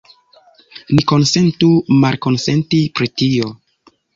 Ni konsentu malkonsenti pri tio.